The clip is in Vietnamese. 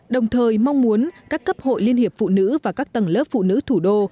đồng thời mong muốn các cấp hội liên hiệp phụ nữ và các tầng lớp phụ nữ thủ đô